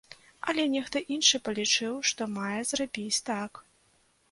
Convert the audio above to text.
Але нехта іншы палічыў, што мае зрабіць так.